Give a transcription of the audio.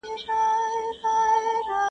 خلک د ازادۍ مجسمې په اړه خبري کوي ډېر,